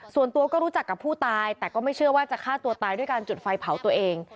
ส่วนตัวก็รู้จักกับผู้ตายแต่ก็ไม่เชื่อว่าจะฆ่าตัวตายด้วยการจุดไฟเผาตัวเอง